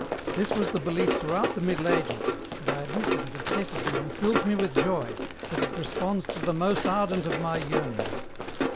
This was the belief throughout the Middle Ages, and I admit that it obsesses me and fills me with joy, that it responds to the most ardent of my yearnings.